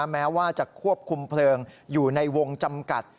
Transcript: แม้ว่าจะควบคุมเพลิงอยู่ในวงจำกัด